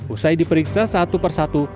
usai diperiksa satu per satu